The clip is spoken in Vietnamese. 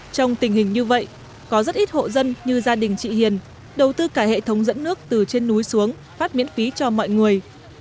trong tình hình như vậy có rất ít hộ dân như gia đình chị hiền đầu tư cả hệ thống dẫn nước từ trên núi xuống phát miễn phí cho mọi người